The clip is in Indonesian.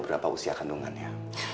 berapa usia kandungannya